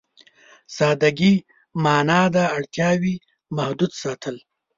سادهګي معنا ده اړتياوې محدود ساتل.